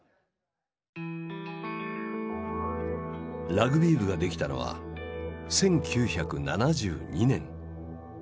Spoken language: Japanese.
ラグビー部ができたのは１９７２年。